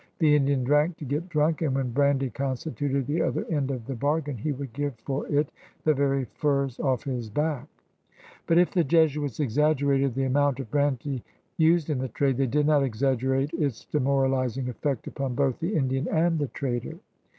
The Indian drank to get drunk, and when brandy constituted the other end of the bargain he would give for it the very furs off his back. But if the Jesuits exaggerated the amount of brandy used in the trade, they did not exaggerate its demoralizing effect upon both the Indian and the trader.